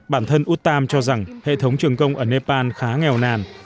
bản thân uttam cho rằng hệ thống trường công ở nepal khá nghèo nàn